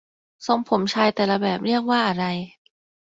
ทรงผมชายแต่ละแบบเรียกว่าอะไร